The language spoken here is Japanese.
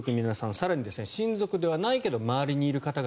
更に、親族ではないけど周りにいる方々